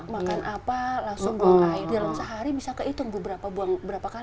makan apa langsung buang air dalam sehari bisa kehitung beberapa buang berapa kali